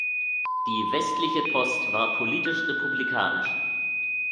Die "Westliche Post" war politisch Republikanisch.